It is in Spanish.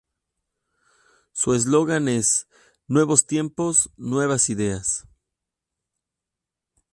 Su eslogan es "Nuevos tiempos, nuevas ideas".